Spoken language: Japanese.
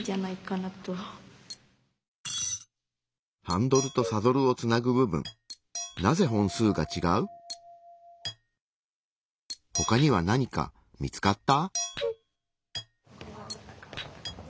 ハンドルとサドルをつなぐ部分ほかには何か見つかった？